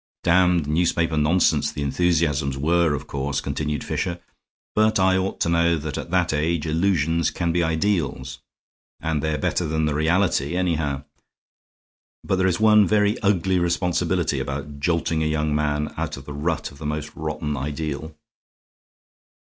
"Damned newspaper nonsense the enthusiasms were, of course," continued Fisher, "but I ought to know that at that age illusions can be ideals. And they're better than the reality, anyhow. But there is one very ugly responsibility about jolting a young man out of the rut of the most rotten ideal."